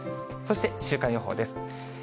そして週間予報です。